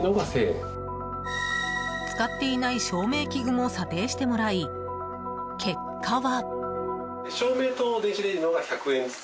使っていない照明器具も査定してもらい、結果は。